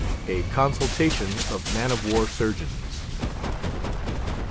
A CONSULTATION OF MAN OF WAR SURGEONS.